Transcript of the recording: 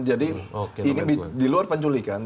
jadi ini di luar penculikan